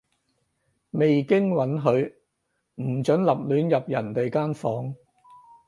未經允許，唔准立亂入人哋間房